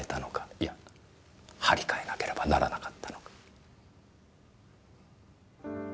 いや張り替えなければならなかったのか？